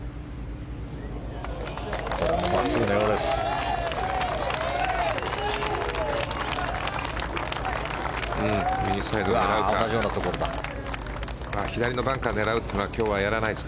これも真っすぐのようです。